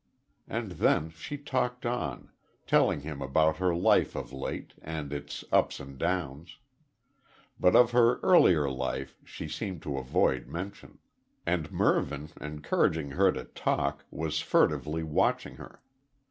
And then she talked on telling him about her life of late, and its ups and downs. But of her earlier life she seemed to avoid mention. And Mervyn, encouraging her to talk, was furtively watching her.